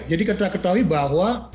jadi kita ketahui bahwa